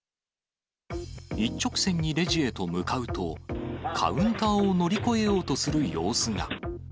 一直線にレジへと向かうと、カウンターを乗り越えようとする様子が。